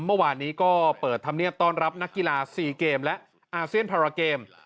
เมื่อวานนี้ก็เปิดธรรมเนียบต้อนรับนักกีฬา๔เกมและอาเซียนพาราเกม